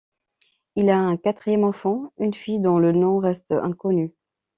Il a un quatrième enfant une fille dont le nom reste inconnu.